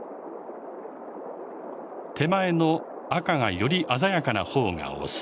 手前の赤がより鮮やかな方がオス。